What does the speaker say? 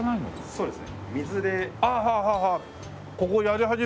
そうです。